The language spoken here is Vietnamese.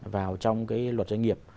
vào trong cái luật doanh nghiệp